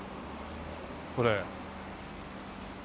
これ。